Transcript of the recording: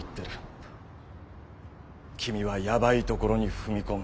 君はヤバいところに踏み込む。